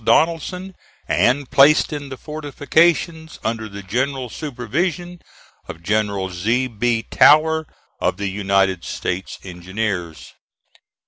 Donaldson, and placed in the fortifications under the general supervision of General Z. B. Tower, of the United States Engineers.